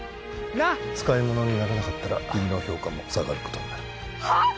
なっ使いものにならなかったら君の評価も下がることになるはっ？